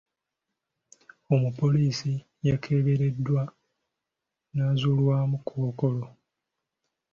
Omupoliisi yakebereddwa n'azuulwamu Kkookolo.